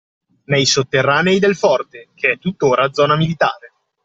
Nei sotterranei del forte, che è tuttora zona militare.